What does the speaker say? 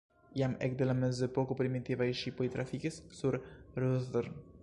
Jam ekde la mezepoko primitivaj ŝipoj trafikis sur Ruhr.